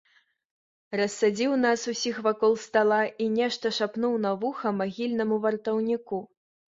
Рассадзіў нас усіх вакол стала і нешта шапнуў на вуха магільнаму вартаўніку.